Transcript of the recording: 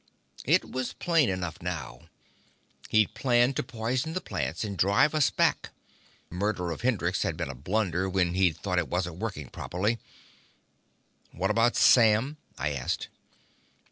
It was plain enough now. He'd planned to poison the plants and drive us back. Murder of Hendrix had been a blunder when he'd thought it wasn't working properly. "What about Sam?" I asked.